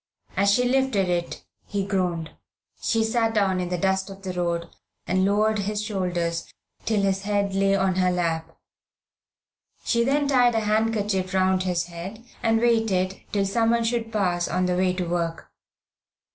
As she lifted it, he groaned. She sat down in the dust of the road, and lowered his shoulders till his head lay on her lap. Then she tied her handkerchief round his head, and waited till someone should pass on the way to work.